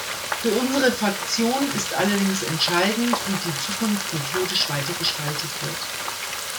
Für unsere Fraktion ist allerdings entscheidend, wie die Zukunft methodisch weiter gestaltet wird.